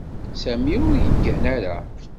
Sami ur yeggan ara.